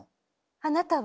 あなたは？